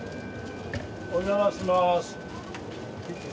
お邪魔します。